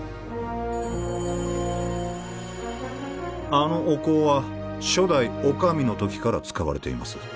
あのお香は初代女将の時から使われています